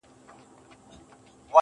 د چا په برېت کي ونښتې پېزوانه سرگردانه,